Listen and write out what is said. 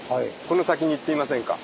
この先に行ってみませんか。